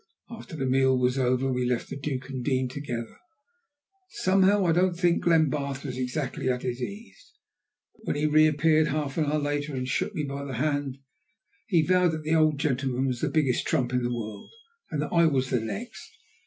After the meal was over we left the Duke and Dean together. Somehow, I don't think Glenbarth was exactly at his ease, but when he reappeared half an hour later and shook me by the hand, he vowed that the old gentleman was the biggest trump in the world, and that I was the next.